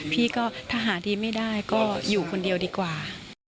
พี่ก็ถ้าหาดีไม่ได้ก็อยู่คนเดียวดีกว่า